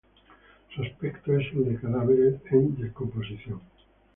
Su aspecto es el de cadáveres en descomposición.